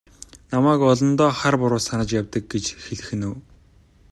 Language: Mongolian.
Намайг олондоо хар буруу санаж явдаг гэж хэлэх нь үү?